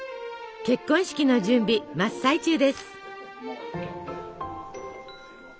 結婚式の準備真っ最中です。